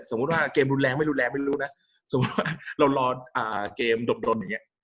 สมมุติว่าเกมรุนแรงไม่รุนแรงไม่รู้นะสมมุติว่าเรารอเกมดกดนอย่างนี้